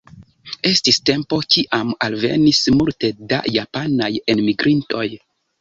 Estis tempo, kiam alvenis multe da japanaj enmigrintoj.